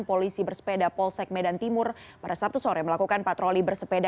polisi bersepeda polsek medan timur pada sabtu sore melakukan patroli bersepeda